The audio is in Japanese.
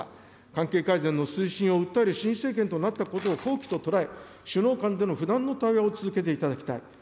関係改善の推進を訴える新政権となったことを好機と捉え、首脳間での不断の対話を続けていただきたい。